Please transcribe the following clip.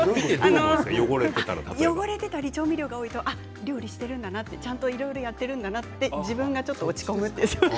汚れていたり調味料が多いと料理しているんだな、ちゃんといろいろやってるんだなと自分が落ち込むんです。